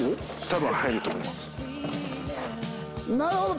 多分入ると思います。